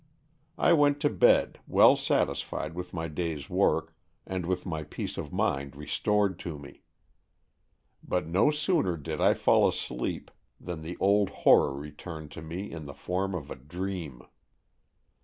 I went to bed, well satisfied with my day's work, and with my peace of mind restored to me. But no AN EXCHANGE OF SOULS 197 sooner did I fall asleep than the old horror returned to me in the form of a dream.